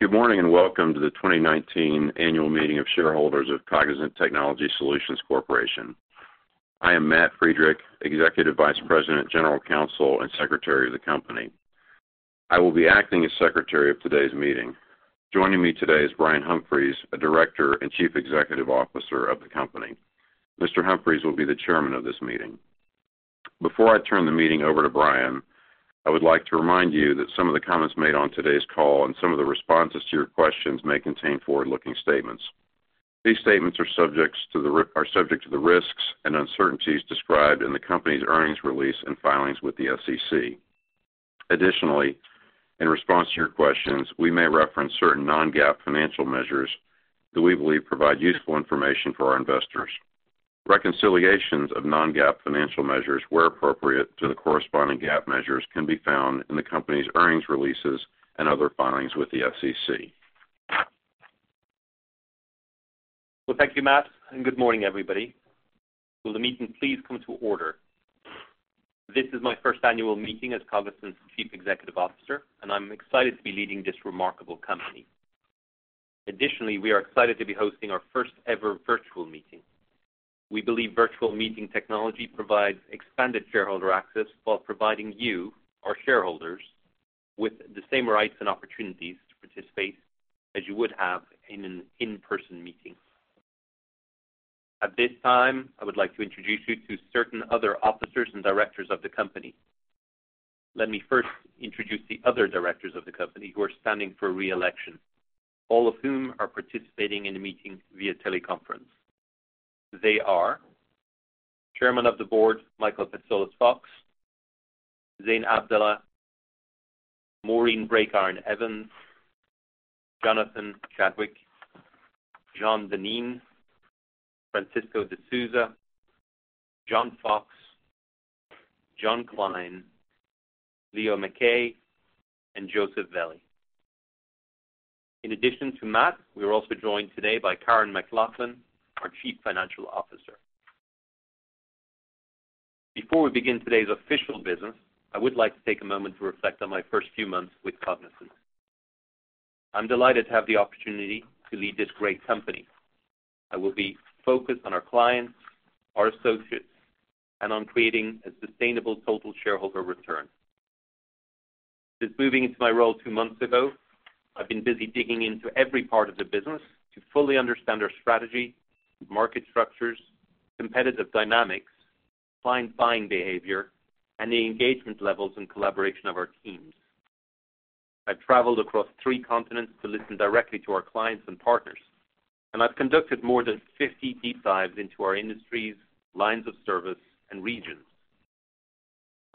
Good morning, welcome to the 2019 annual meeting of shareholders of Cognizant Technology Solutions Corporation. I am Matthew Friedrich, Executive Vice President, General Counsel, and Secretary of the company. I will be acting as Secretary of today's meeting. Joining me today is Brian Humphries, a Director and Chief Executive Officer of the company. Mr. Humphries will be the Chairman of this meeting. Before I turn the meeting over to Brian, I would like to remind you that some of the comments made on today's call and some of the responses to your questions may contain forward-looking statements. These statements are subject to the risks and uncertainties described in the company's earnings release and filings with the SEC. Additionally, in response to your questions, we may reference certain non-GAAP financial measures that we believe provide useful information for our investors. Reconciliations of non-GAAP financial measures, where appropriate to the corresponding GAAP measures, can be found in the company's earnings releases and other filings with the SEC. Well, thank you, Matt, good morning, everybody. Will the meeting please come to order? This is my first annual meeting as Cognizant's Chief Executive Officer, I'm excited to be leading this remarkable company. Additionally, we are excited to be hosting our first-ever virtual meeting. We believe virtual meeting technology provides expanded shareholder access while providing you, our shareholders, with the same rights and opportunities to participate as you would have in an in-person meeting. At this time, I would like to introduce you to certain other officers and directors of the company. Let me first introduce the other directors of the company who are standing for re-election, all of whom are participating in the meeting via teleconference. They are Chairman of the Board, Michael Patsalos-Fox, Zein Abdalla, Maureen Breakiron-Evans, Jonathan Chadwick, John Dineen, Francisco D'Souza, John Fox, John Klein, Leo Mackay, and Joseph Velli. In addition to Matt, we are also joined today by Karen McLoughlin, our Chief Financial Officer. Before we begin today's official business, I would like to take a moment to reflect on my first few months with Cognizant. I'm delighted to have the opportunity to lead this great company. I will be focused on our clients, our associates, and on creating a sustainable total shareholder return. Since moving into my role two months ago, I've been busy digging into every part of the business to fully understand our strategy, market structures, competitive dynamics, client buying behavior, and the engagement levels and collaboration of our teams. I've traveled across three continents to listen directly to our clients and partners, I've conducted more than 50 deep dives into our industries, lines of service, and regions.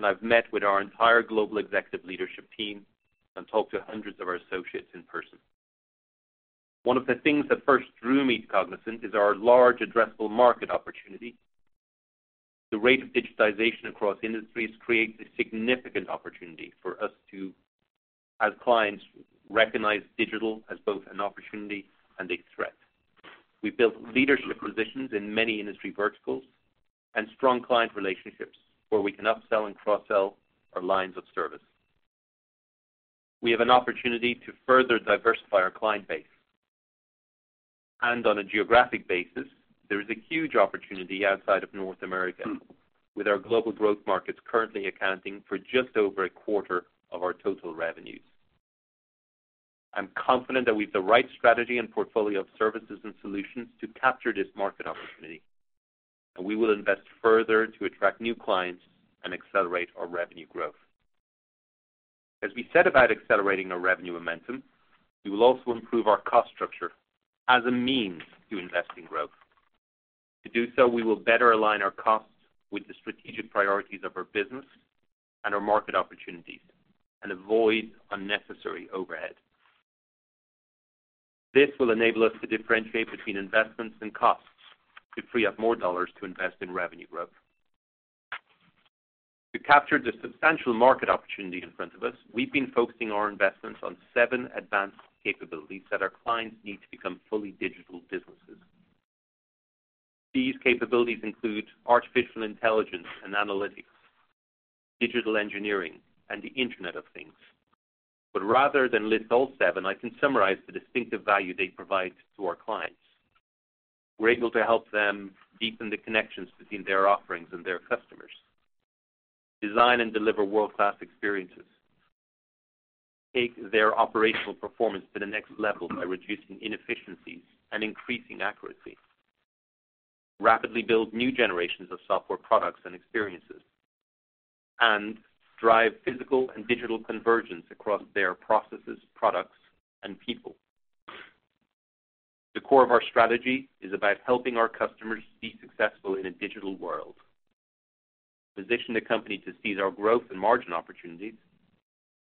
I've met with our entire global executive leadership team and talked to hundreds of our associates in person. One of the things that first drew me to Cognizant is our large addressable market opportunity. The rate of digitization across industries creates a significant opportunity for us to, as clients, recognize digital as both an opportunity and a threat. We've built leadership positions in many industry verticals and strong client relationships where we can upsell and cross-sell our lines of service. We have an opportunity to further diversify our client base. On a geographic basis, there is a huge opportunity outside of North America with our global growth markets currently accounting for just over a quarter of our total revenues. I'm confident that with the right strategy and portfolio of services and solutions to capture this market opportunity, and we will invest further to attract new clients and accelerate our revenue growth. As we set about accelerating our revenue momentum, we will also improve our cost structure as a means to invest in growth. To do so, we will better align our costs with the strategic priorities of our business and our market opportunities and avoid unnecessary overhead. This will enable us to differentiate between investments and costs to free up more dollars to invest in revenue growth. To capture the substantial market opportunity in front of us, we've been focusing our investments on 7 advanced capabilities that our clients need to become fully digital businesses. These capabilities include artificial intelligence and analytics, digital engineering, and the Internet of Things. Rather than list all 7, I can summarize the distinctive value they provide to our clients. We're able to help them deepen the connections between their offerings and their customers, design and deliver world-class experiences, take their operational performance to the next level by reducing inefficiencies and increasing accuracy, rapidly build new generations of software products and experiences, and drive physical and digital convergence across their processes, products, and people. The core of our strategy is about helping our customers be successful in a digital world. To position the company to seize our growth and margin opportunities,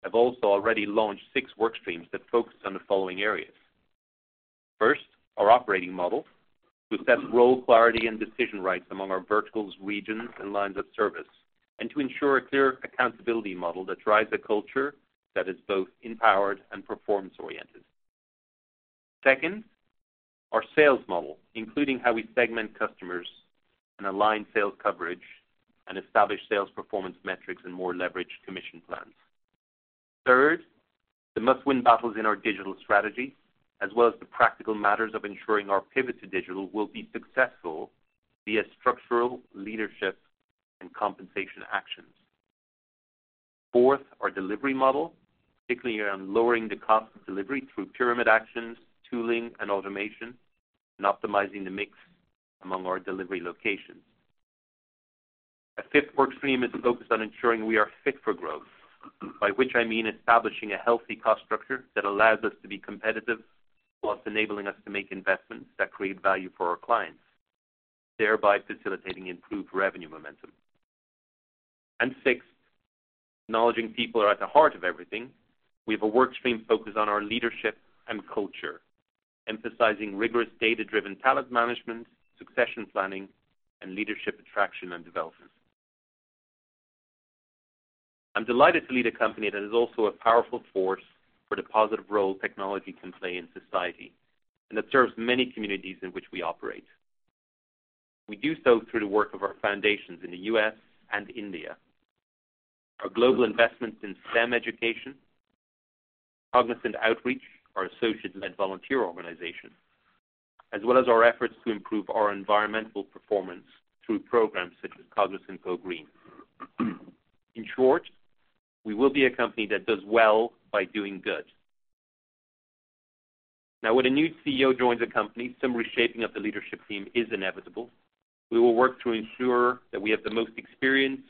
I've also already launched 6 work streams that focus on the following areas. First, our operating model, to set role clarity and decision rights among our verticals, regions, and lines of service, and to ensure a clear accountability model that drives a culture that is both empowered and performance-oriented. Second, our sales model, including how we segment customers and align sales coverage and establish sales performance metrics and more leveraged commission plans. Third, the must-win battles in our digital strategy, as well as the practical matters of ensuring our pivot to digital will be successful via structural leadership and compensation actions. Fourth, our delivery model, particularly around lowering the cost of delivery through pyramid actions, tooling and automation, and optimizing the mix among our delivery locations. A fifth work stream is focused on ensuring we are fit for growth, by which I mean establishing a healthy cost structure that allows us to be competitive, while enabling us to make investments that create value for our clients, thereby facilitating improved revenue momentum. Sixth, acknowledging people are at the heart of everything, we have a work stream focused on our leadership and culture, emphasizing rigorous data-driven talent management, succession planning, and leadership attraction and development. I'm delighted to lead a company that is also a powerful force for the positive role technology can play in society and that serves many communities in which we operate. We do so through the work of our foundations in the U.S. and India, our global investments in STEM education, Cognizant Outreach, our associate-led volunteer organization, as well as our efforts to improve our environmental performance through programs such as Cognizant GoGreen. In short, we will be a company that does well by doing good. When a new CEO joins a company, some reshaping of the leadership team is inevitable. We will work to ensure that we have the most experienced,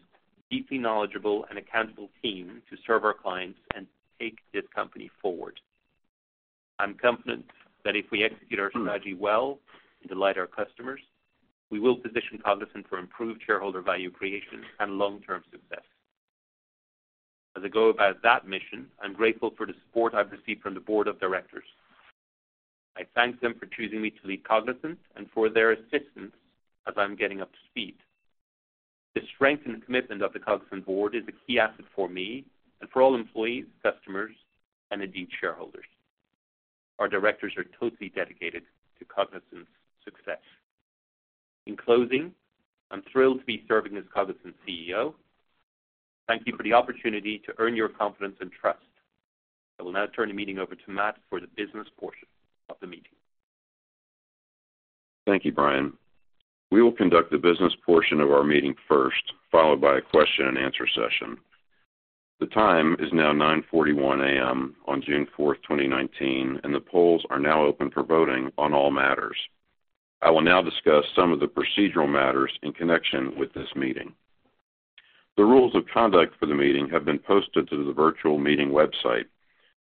deeply knowledgeable, and accountable team to serve our clients and take this company forward. I'm confident that if we execute our strategy well and delight our customers, we will position Cognizant for improved shareholder value creation and long-term success. As I go about that mission, I'm grateful for the support I've received from the board of directors. I thank them for choosing me to lead Cognizant and for their assistance as I'm getting up to speed. The strength and commitment of the Cognizant board is a key asset for me and for all employees, customers, and indeed, shareholders. Our directors are totally dedicated to Cognizant's success. In closing, I'm thrilled to be serving as Cognizant's CEO. Thank you for the opportunity to earn your confidence and trust. I will now turn the meeting over to Matt for the business portion of the meeting. Thank you, Brian. We will conduct the business portion of our meeting first, followed by a question and answer session. The time is now 9:41 A.M. on June 4th, 2019, and the polls are now open for voting on all matters. I will now discuss some of the procedural matters in connection with this meeting. The rules of conduct for the meeting have been posted to the virtual meeting website.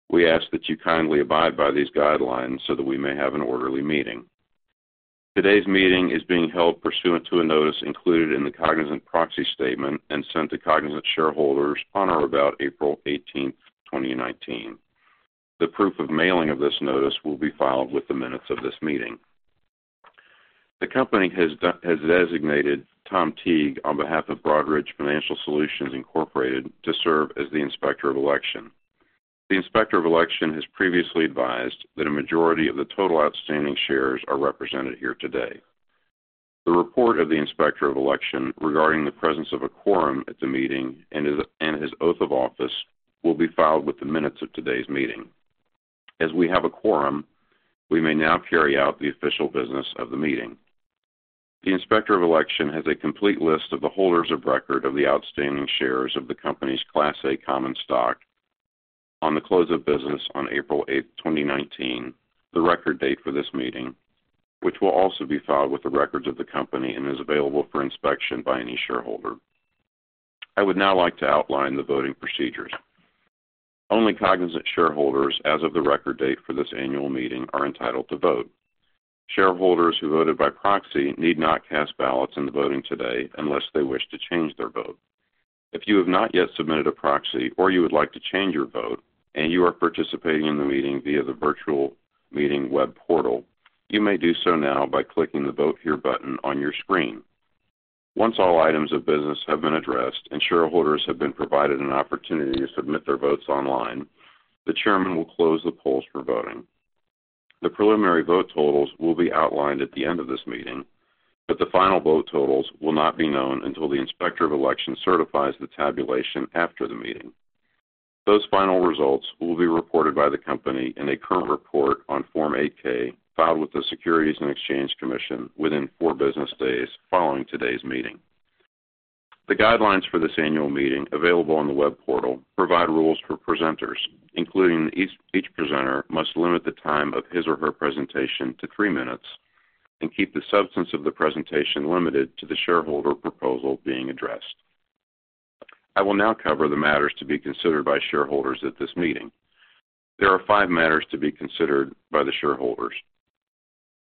We ask that you kindly abide by these guidelines so that we may have an orderly meeting. Today's meeting is being held pursuant to a notice included in the Cognizant proxy statement and sent to Cognizant shareholders on or about April 18th, 2019. The proof of mailing of this notice will be filed with the minutes of this meeting. The company has designated Tom Teague on behalf of Broadridge Financial Solutions, Inc. to serve as the inspector of election. The inspector of election has previously advised that a majority of the total outstanding shares are represented here today. The report of the inspector of election regarding the presence of a quorum at the meeting and his oath of office will be filed with the minutes of today's meeting. As we have a quorum, we may now carry out the official business of the meeting. The inspector of election has a complete list of the holders of record of the outstanding shares of the company's Class A common stock on the close of business on April 8th, 2019, the record date for this meeting, which will also be filed with the records of the company and is available for inspection by any shareholder. I would now like to outline the voting procedures. Only Cognizant shareholders as of the record date for this annual meeting are entitled to vote. Shareholders who voted by proxy need not cast ballots in the voting today unless they wish to change their vote. If you have not yet submitted a proxy or you would like to change your vote and you are participating in the meeting via the virtual meeting web portal, you may do so now by clicking the Vote Here button on your screen. Once all items of business have been addressed and shareholders have been provided an opportunity to submit their votes online, the chairman will close the polls for voting. The final vote totals will not be known until the Inspector of Election certifies the tabulation after the meeting. Those final results will be reported by the company in a current report on Form 8-K filed with the Securities and Exchange Commission within four business days following today's meeting. The guidelines for this annual meeting, available on the web portal, provide rules for presenters, including that each presenter must limit the time of his or her presentation to three minutes and keep the substance of the presentation limited to the shareholder proposal being addressed. I will now cover the matters to be considered by shareholders at this meeting. There are five matters to be considered by the shareholders.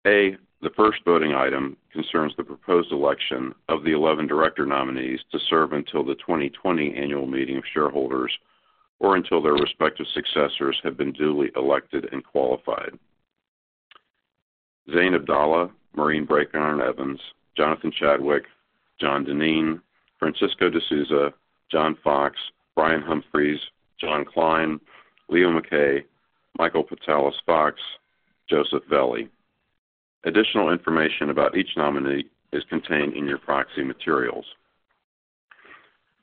A, the first voting item concerns the proposed election of the 11 director nominees to serve until the 2020 annual meeting of shareholders or until their respective successors have been duly elected and qualified, Zein Abdalla, Maureen Breakiron-Evans, Jonathan Chadwick, John Dineen, Francisco D'Souza, John Fox, Brian Humphries, John Klein, Leo Mackay, Michael Patsalos-Fox, Joseph Velli. Additional information about each nominee is contained in your proxy materials.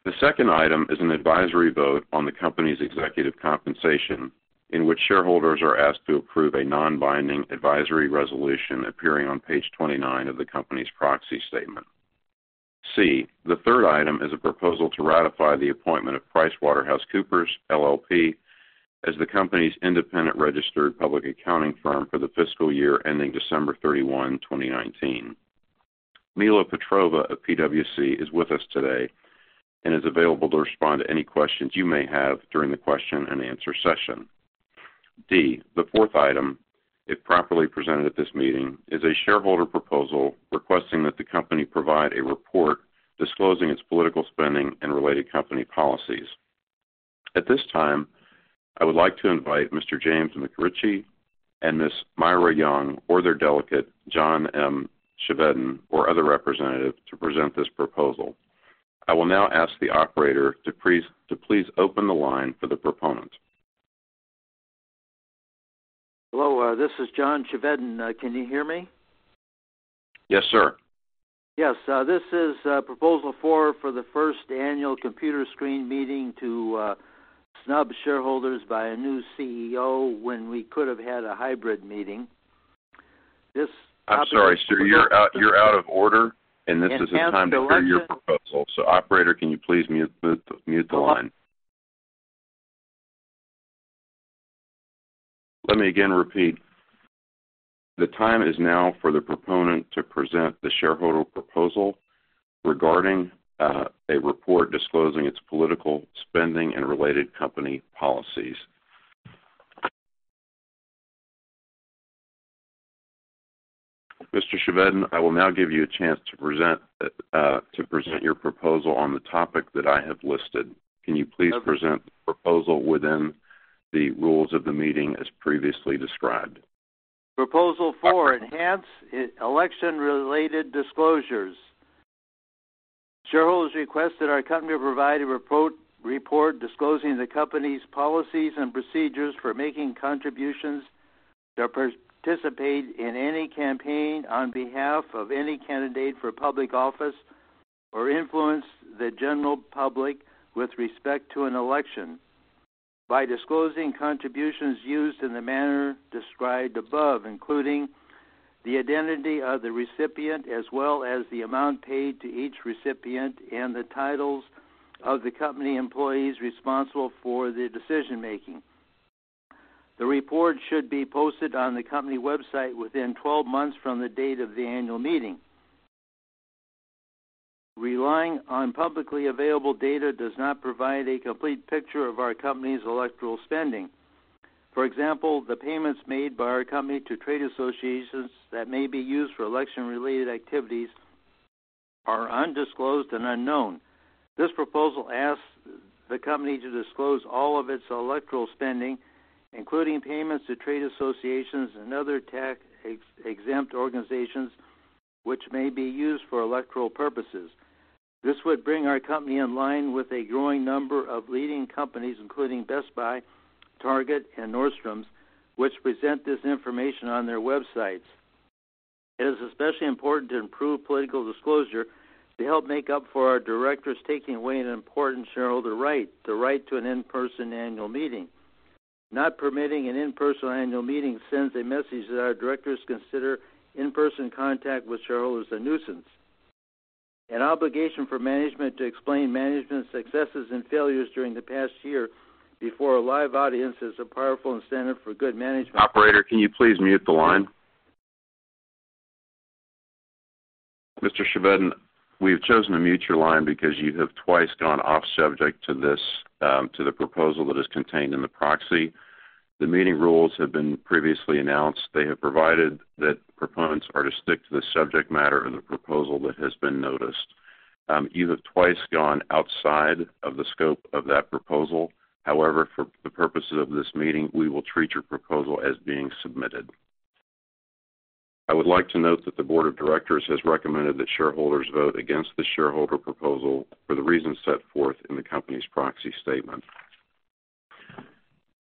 The second item is an advisory vote on the company's executive compensation, in which shareholders are asked to approve a non-binding advisory resolution appearing on page 29 of the company's proxy statement. C, the third item is a proposal to ratify the appointment of PricewaterhouseCoopers LLP as the company's independent registered public accounting firm for the fiscal year ending December 31, 2019. Mila Petrova of PwC is with us today and is available to respond to any questions you may have during the question and answer session. D, the fourth item, if properly presented at this meeting, is a shareholder proposal requesting that the company provide a report disclosing its political spending and related company policies. At this time, I would like to invite Mr. James McRitchie and Ms. Myra Young or their delegate, John Chevedden, or other representative to present this proposal. I will now ask the operator to please open the line for the proponent. Hello, this is John Chevedden. Can you hear me? Yes, sir. Yes. This is proposal four for the first annual computer screen meeting to snub shareholders by a new CEO when we could have had a hybrid meeting. I'm sorry, sir. You're out of order, and this isn't the time to hear your proposal. Operator, can you please mute the line? Let me again repeat. The time is now for the proponent to present the shareholder proposal regarding a report disclosing its political spending and related company policies. Mr. Chevedden, I will now give you a chance to present your proposal on the topic that I have listed. Can you please present the proposal within the rules of the meeting as previously described? Proposal four, enhance election-related disclosures. Shareholders request that our company provide a report disclosing the company's policies and procedures for making contributions to participate in any campaign on behalf of any candidate for public office or influence the general public with respect to an election by disclosing contributions used in the manner described above, including the identity of the recipient as well as the amount paid to each recipient and the titles of the company employees responsible for the decision-making. The report should be posted on the company website within 12 months from the date of the annual meeting. Relying on publicly available data does not provide a complete picture of our company's electoral spending. For example, the payments made by our company to trade associations that may be used for election-related activities are undisclosed and unknown. This proposal asks the company to disclose all of its electoral spending, including payments to trade associations and other tax-exempt organizations, which may be used for electoral purposes. This would bring our company in line with a growing number of leading companies, including Best Buy, Target, and Nordstrom, which present this information on their websites. It is especially important to improve political disclosure to help make up for our directors taking away an important shareholder right, the right to an in-person annual meeting. Not permitting an in-person annual meeting sends a message that our directors consider in-person contact with shareholders a nuisance. An obligation for management to explain management's successes and failures during the past year before a live audience is a powerful incentive for good management. Operator, can you please mute the line? Mr. Chevedden, we've chosen to mute your line because you have twice gone off subject to the proposal that is contained in the proxy. The meeting rules have been previously announced. They have provided that proponents are to stick to the subject matter of the proposal that has been noticed. You have twice gone outside of the scope of that proposal. However, for the purposes of this meeting, we will treat your proposal as being submitted. I would like to note that the board of directors has recommended that shareholders vote against the shareholder proposal for the reasons set forth in the company's proxy statement.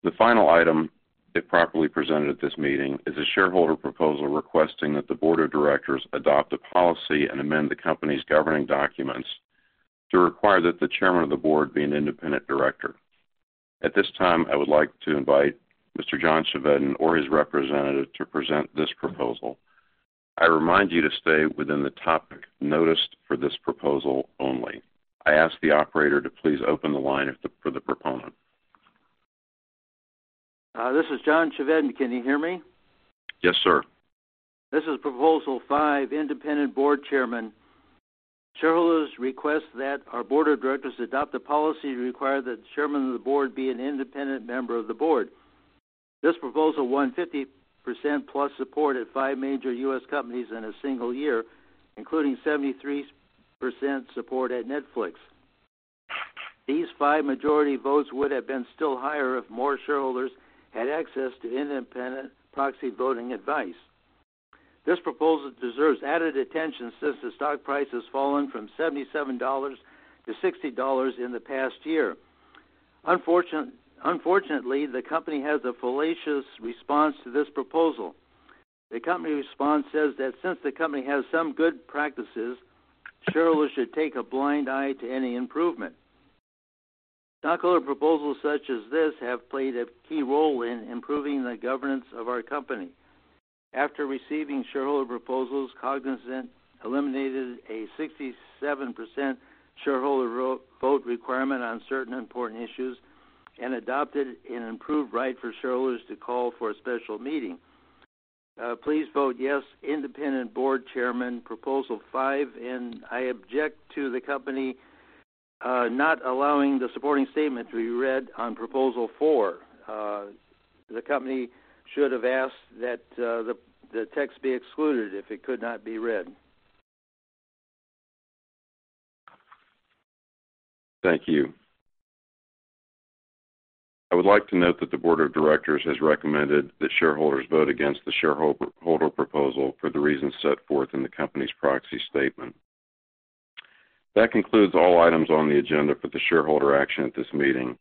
The final item, if properly presented at this meeting, is a shareholder proposal requesting that the board of directors adopt a policy and amend the company's governing documents to require that the chairman of the board be an independent director. At this time, I would like to invite Mr. John Chevedden or his representative to present this proposal. I remind you to stay within the topic noticed for this proposal only. I ask the operator to please open the line for the proponent. This is John Chevedden. Can you hear me? Yes, sir. This is proposal five, independent board chairman. Shareholders request that our board of directors adopt a policy to require that the chairman of the board be an independent member of the board. This proposal won 50% plus support at five major U.S. companies in a single year, including 73% support at Netflix. These five majority votes would have been still higher if more shareholders had access to independent proxy voting advice. This proposal deserves added attention since the stock price has fallen from $77 to $60 in the past year. Unfortunately, the company has a fallacious response to this proposal. The company response says that since the company has some good practices, shareholders should take a blind eye to any improvement. Stockholder proposals such as this have played a key role in improving the governance of our company. After receiving shareholder proposals, Cognizant eliminated a 67% shareholder vote requirement on certain important issues and adopted an improved right for shareholders to call for a special meeting. Please vote yes, independent board chairman, proposal five. I object to the company not allowing the supporting statement to be read on proposal four. The company should have asked that the text be excluded if it could not be read. Thank you. I would like to note that the board of directors has recommended that shareholders vote against the shareholder proposal for the reasons set forth in the company's proxy statement. That concludes all items on the agenda for the shareholder action at this meeting.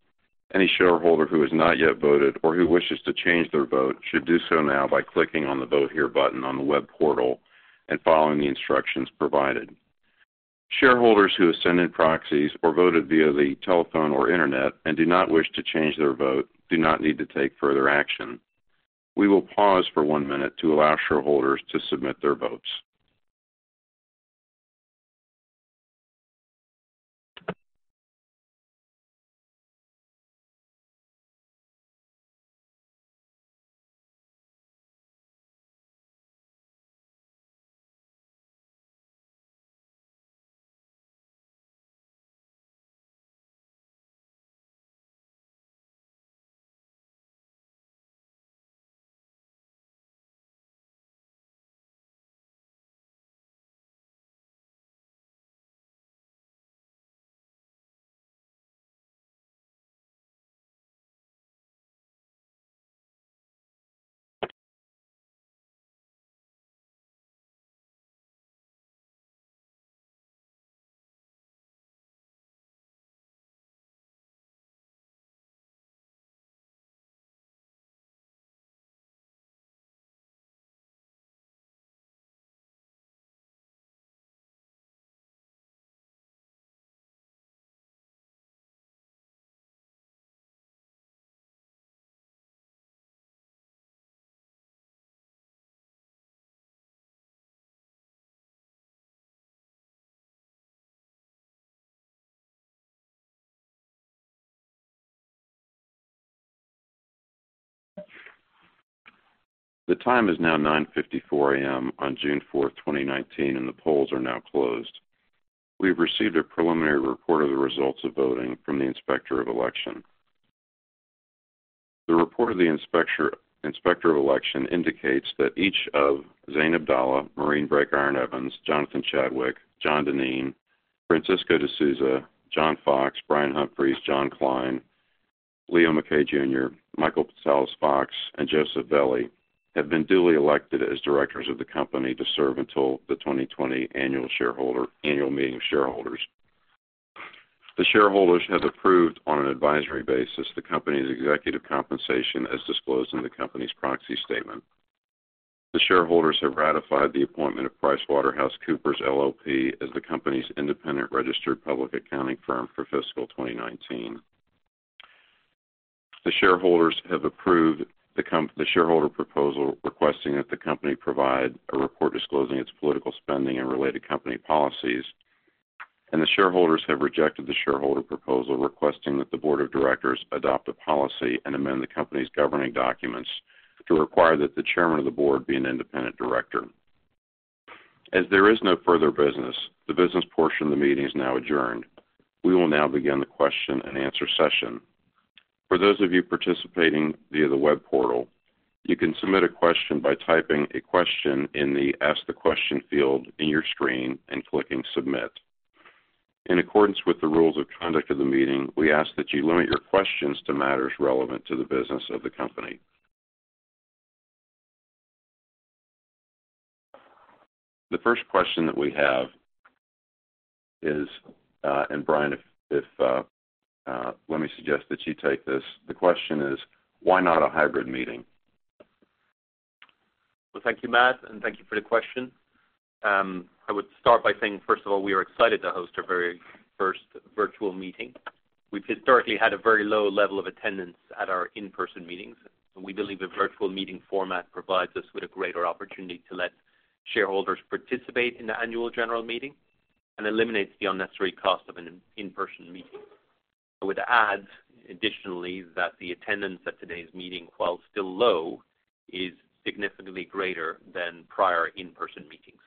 Any shareholder who has not yet voted or who wishes to change their vote should do so now by clicking on the Vote Here button on the web portal and following the instructions provided. Shareholders who have sent in proxies or voted via the telephone or internet and do not wish to change their vote do not need to take further action. We will pause for one minute to allow shareholders to submit their votes. The time is now 9:54 A.M. on June 4th, 2019. The polls are now closed. We have received a preliminary report of the results of voting from the Inspector of Election. The report of the Inspector of Election indicates that each of Zein Abdalla, Maureen Breakiron-Evans, Jonathan Chadwick, John Dineen, Francisco D'Souza, John Fox, Brian Humphries, John Klein, Leo Mackay, Jr., Michael Patsalos-Fox, and Joseph Velli have been duly elected as directors of the company to serve until the 2020 annual meeting of shareholders. The shareholders have approved on an advisory basis the company's executive compensation as disclosed in the company's proxy statement. The shareholders have ratified the appointment of PricewaterhouseCoopers LLP as the company's independent registered public accounting firm for fiscal 2019. The shareholders have approved the shareholder proposal requesting that the company provide a report disclosing its political spending and related company policies. The shareholders have rejected the shareholder proposal requesting that the board of directors adopt a policy and amend the company's governing documents to require that the chairman of the board be an independent director. As there is no further business, the business portion of the meeting is now adjourned. We will now begin the question and answer session. For those of you participating via the web portal, you can submit a question by typing a question in the Ask the Question field in your screen and clicking Submit. In accordance with the rules of conduct of the meeting, we ask that you limit your questions to matters relevant to the business of the company. The first question that we have is, and Brian, let me suggest that you take this. The question is, why not a hybrid meeting? Well, thank you, Matt, and thank you for the question. I would start by saying, first of all, we are excited to host our very first virtual meeting. We've historically had a very low level of attendance at our in-person meetings, and we believe a virtual meeting format provides us with a greater opportunity to let shareholders participate in the annual general meeting and eliminates the unnecessary cost of an in-person meeting. I would add additionally that the attendance at today's meeting, while still low, is significantly greater than prior in-person meetings.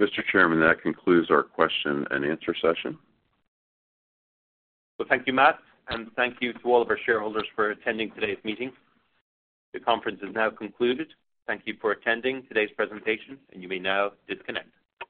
Mr. Chairman, that concludes our question and answer session. Well, thank you, Matt, and thank you to all of our shareholders for attending today's meeting. The conference is now concluded. Thank you for attending today's presentation, and you may now disconnect.